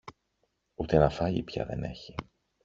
Ούτε να φάγει πια δεν έχει.